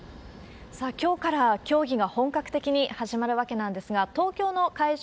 さあ、きょうから競技が本格的に始まるわけなんですが、東京の会場